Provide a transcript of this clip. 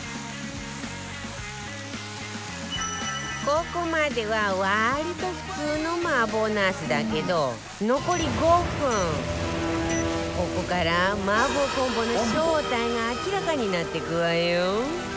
ここまでは割と普通の麻婆茄子だけど残り５分ここから麻婆コンボの正体が明らかになっていくわよ